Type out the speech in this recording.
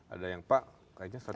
ada yang pak kayaknya seratus ribu